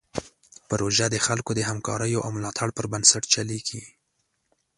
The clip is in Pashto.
پروژه د خلکو د همکاریو او ملاتړ پر بنسټ چلیږي.